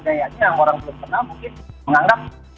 dayanya orang belum kenal mungkin menganggap